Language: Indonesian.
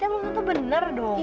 emang itu bener dong